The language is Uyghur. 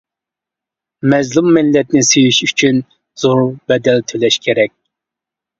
مەزلۇم مىللەتنى سۆيۈش ئۈچۈن زور بەدەل تۆلەش كېرەك.